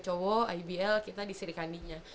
cowok ibl kita di sri kandinya